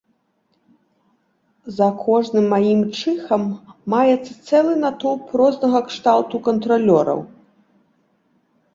За кожным маім чыхам маецца цэлы натоўп рознага кшталту кантралёраў.